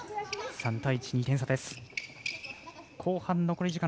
３対１、２点差です。